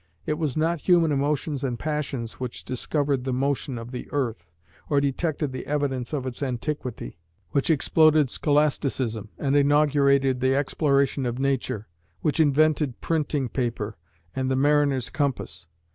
It was not human emotions and passions which discovered the motion of the earth, or detected the evidence of its antiquity; which exploded Scholasticism, and inaugurated the exploration of nature; which invented printing, paper, and the mariner's compass.